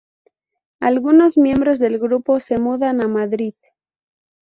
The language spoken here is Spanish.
Algunos miembros del grupo se mudan a Madrid.